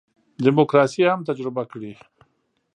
دیموکراسي هم تجربه کړي.